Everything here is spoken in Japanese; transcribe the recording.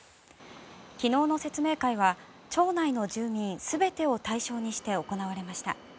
昨日の説明会は町内の住民全てを対象にして行われました。